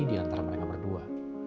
di antara mereka berdua